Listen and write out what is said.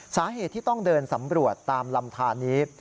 สาเหตุที่ต้องเดินสำรวจตามลำทานนี้